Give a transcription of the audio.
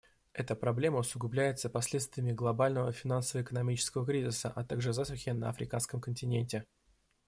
Эта проблема усугубляется последствиями глобального финансово-экономического кризиса, а также засухи на Африканском континенте.